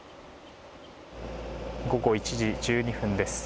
午後１時１２分です。